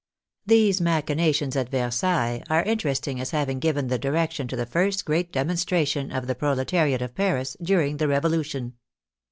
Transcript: These machinations at Versailles are in teresting as having given the direction to the first great demonstration of the proletariat of Paris during the Rev olution.